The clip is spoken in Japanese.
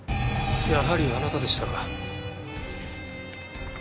やはりあなたでしたか。